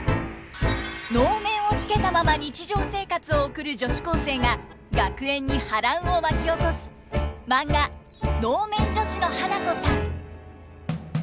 能面をつけたまま日常生活を送る女子高生が学園に波乱を巻き起こすマンガ「能面女子の花子さん」。